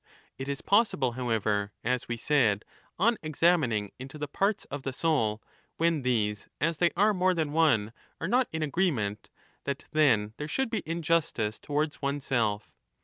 It is possible, however, as we said* on imining into the parts of the soul, when these, as they re more than one, are not in agreement, that then there Should be injustice towards oneself.